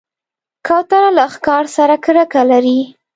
کوتره له ښکار سره کرکه لري.